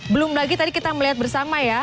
belum lagi tadi kita melihat bersama ya